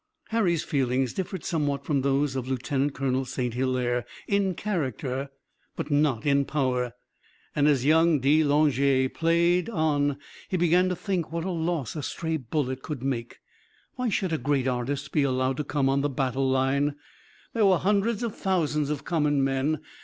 Harry's feelings differed somewhat from those of Lieutenant Colonel St. Hilaire in character but not in power and as young de Langeais played on he began to think what a loss a stray bullet could make. Why should a great artist be allowed to come on the battle line? There were hundreds of thousands of common men.